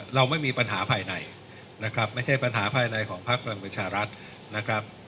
เราไม่มีปัญหาภายในนะครับไม่ใช่ปัญหาภายในของพักพลังประชารัฐนะครับ